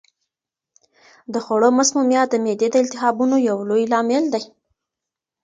د خوړو مسمومیت د معدې د التهابونو یو لوی لامل دی.